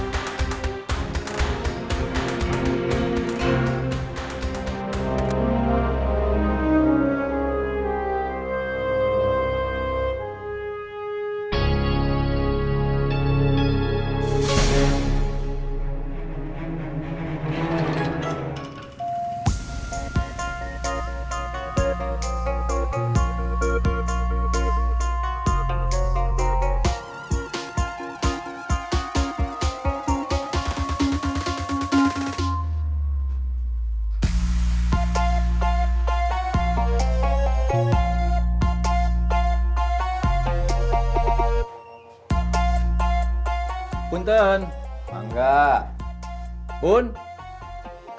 jack mau kopi gak